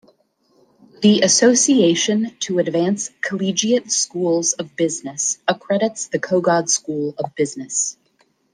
The Association to Advance Collegiate Schools of Business accredits the Kogod School of Business.